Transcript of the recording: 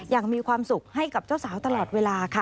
อย่างมีความสุขให้กับเจ้าสาวตลอดเวลาค่ะ